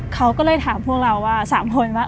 เขาก็เลยถามพวกเราว่า๓คนว่า